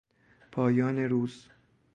پایان روز